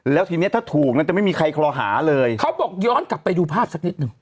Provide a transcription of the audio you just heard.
แล้วทีนี้ถ้าถูกนั้นจะไม่มีใครคอหาเลยเขาบอกย้อนกลับไปดูภาพสักนิดหนึ่ง